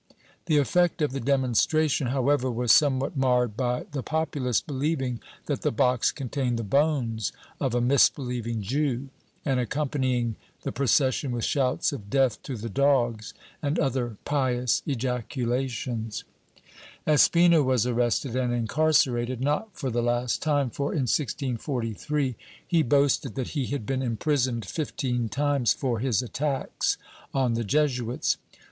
The effect of the demonstration, however, was somewhat marred by the populace believing that the box contained the bones of a misbelieving Jew, and accompanying the procession with shouts of "Death to the dogs!" and other pious ejaculations. Espino was arrested and incarcerated — not for the last time for, ^ Ant. Rodriguez Villa, La Corte y Monarquia de Espaua, p. 95. Chap. XVI] GENERAL UTILITY 381 in 1643, he boasted that he had been imprisoned fifteen times for his attacks on the Jesuits.